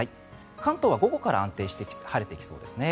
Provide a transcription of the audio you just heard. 関東は午後から安定して晴れてきそうですね。